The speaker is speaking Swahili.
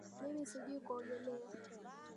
Mimi sijui kuogelea